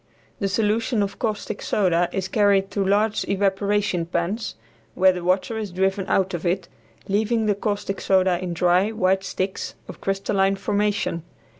The solution of caustic soda is carried to large evaporating pans, where the water is driven out of it, leaving the caustic soda in dry, white sticks of crystalline formation.